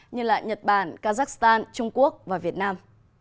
như nhật bản kazakhstan trung quốc và việt nam